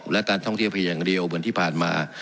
และการท่องเที่ยวเพียงอย่างเดียวเหมือนที่ผ่านมา